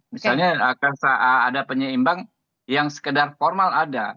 misalnya ada penyeimbang yang sekedar formal ada